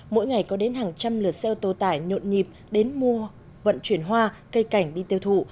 mỗi ngày có đến hàng trăm lượt xe ô tô tải nhộn nhịp đến mua vận chuyển hoa cây cảnh đi tiêu thụ